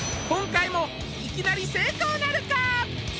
今回もいきなり成功なるか？